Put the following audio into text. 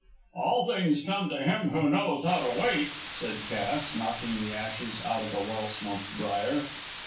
"All things come to him who knows how to wait," said Cass, knocking the ashes out of a well smoked briar.